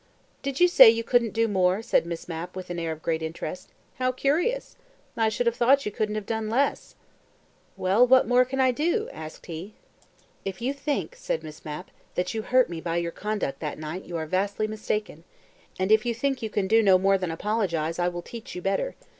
"Did you say you couldn't do 'more'," said Miss Mapp with an air of great interest. "How curious! I should have thought you couldn't have done less." "Well, what more can I do?" asked he. "If you think," said Miss Mapp, "that you hurt me by your conduct that night, you are vastly mistaken. And if you think you can do no more than apologize, I will teach you better.